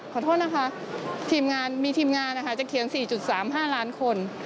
ขอโทษนะคะมีทีมงานจะเคียง๔๓๕ล้านคน